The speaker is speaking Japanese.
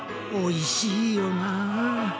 おいしいよな。